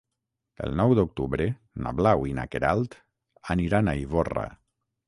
El nou d'octubre na Blau i na Queralt aniran a Ivorra.